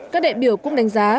các đệ biểu cũng đánh giá